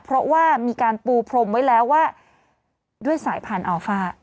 เพราะว่ามีการปูพรมไว้แล้วว่าด้วยสายพันธุ์อัลฟ่า